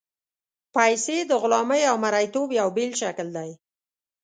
پیسې د غلامۍ او مرییتوب یو بېل شکل دی.